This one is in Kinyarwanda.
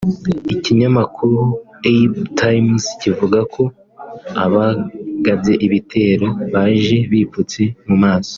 Ikinyamakuru Ibtimes kivuga ko abagabye ibitero baje bipfutse mu maso